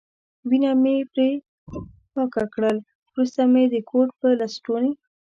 وینه مې پرې پاکه کړل، وروسته مې د کوټ په لستوڼي.